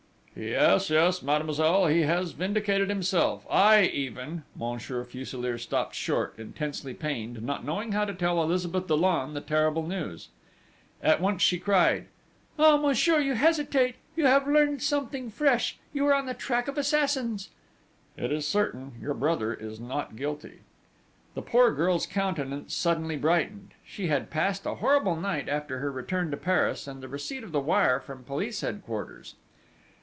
"Yes, yes, mademoiselle, he has vindicated himself, I even ..." Monsieur Fuselier stopped short, intensely pained, not knowing how to tell Elizabeth Dollon the terrible news. At once she cried: "Ah, monsieur, you hesitate! You have learned something fresh? You are on the track of the assassins?" "It is certain ... your brother is not guilty!" The poor girl's countenance suddenly brightened. She had passed a horrible night after her return to Paris, and the receipt of the wire from Police Headquarters.